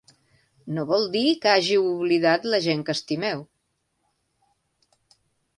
No vol dir que hàgiu oblidat la gent que estimeu.